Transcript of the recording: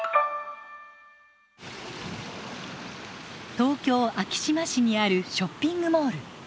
東京・昭島市にあるショッピングモール。